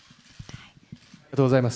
ありがとうございます。